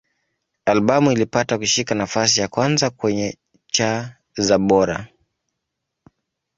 Albamu ilipata kushika nafasi ya kwanza kwenye cha za Bora.